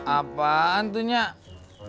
apaan tuh nyak